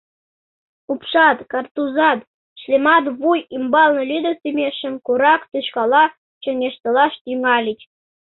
Упшат, картузат, шлемат вуй ӱмбалне лӱдыктымӧ шемкорак тӱшкала чоҥештылаш тӱҥальыч.